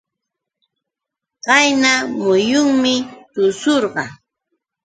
Qayna muyunmi tushurqaa.